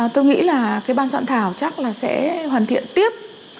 tôi nghĩ là cái ban soạn thảo chắc là sẽ hoàn thiện tiếp